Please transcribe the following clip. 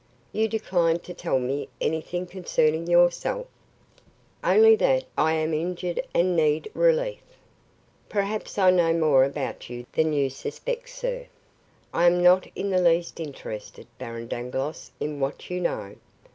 "You decline to tell me anything concerning yourself?" "Only that I am injured and need relief." "Perhaps I know more about you than you suspect, sir." "I am not in the least interested, Baron Dangloss, in what you know.